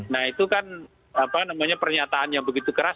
nah itu kan pernyataan yang begitu keras